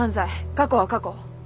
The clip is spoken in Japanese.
過去は過去。